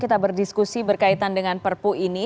kita berdiskusi berkaitan dengan perpu ini